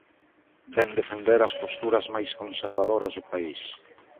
Vén defender as posturas máis conservadoras do país.